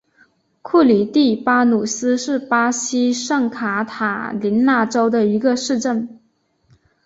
库里蒂巴努斯是巴西圣卡塔琳娜州的一个市镇。